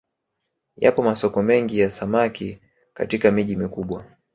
Yapo masoko mengi ya samaki katika miji mikubwa